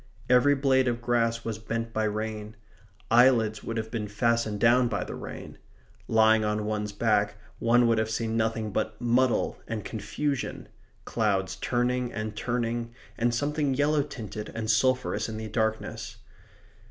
Every blade of grass was bent by rain. Eyelids would have been fastened down by the rain. Lying on one's back one would have seen nothing but muddle and confusion clouds turning and turning, and something yellow tinted and sulphurous in the darkness.